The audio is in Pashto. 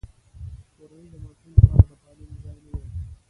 کورنۍ د ماشوم لپاره د پالنې ځای نه دی.